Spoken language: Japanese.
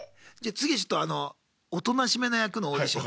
次ちょっとおとなしめな役のオーディション。